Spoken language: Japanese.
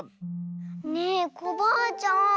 ねえコバアちゃん